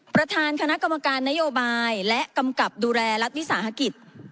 ประธานคณะกรรมการนโยบายและกำกับดูแลรัฐวิสาหกิจ